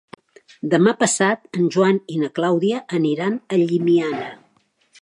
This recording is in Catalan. Demà passat en Joan i na Clàudia aniran a Llimiana.